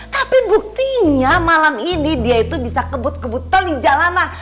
tapi buktinya malam ini dia itu bisa kebut kebut tol di jalanan